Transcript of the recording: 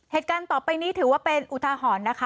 เหตุการณ์ต่อไปนี้ถือว่าเป็นอุทาหรณ์นะคะ